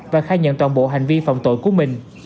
và khai nhận toàn bộ hành vi phạm tội của mình